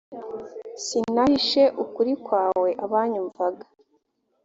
sinahishe ukuri kwawe abanyumvaga